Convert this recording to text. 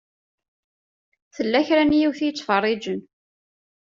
Tella kra n yiwet i yettfeṛṛiǧen.